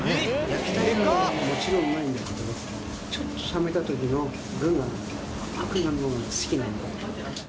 焼きたてはもちろんうまいんだけど、ちょっと冷めたときの具が、甘くなるのが好きなんだよね。